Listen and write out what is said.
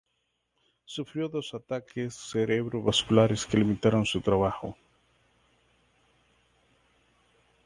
Sufrió dos ataques cerebrovasculares que limitaron su trabajo.